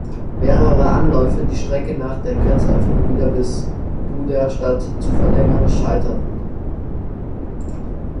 Mehrere Anläufe, die Strecke nach der Grenzöffnung wieder bis Duderstadt zu verlängern, scheiterten.